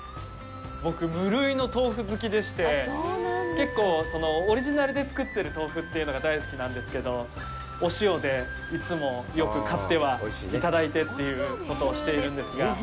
僕、無類の豆腐好きでして結構オリジナルで作ってる豆腐というのが大好きなんですけどお塩で、いつもよく買ってはいただいてということをしているんですが。